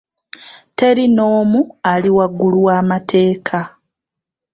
Teri n'omu ali waggulu wa'amateeka.